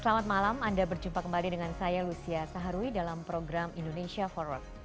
selamat malam anda berjumpa kembali dengan saya lucia saharwi dalam program indonesia forward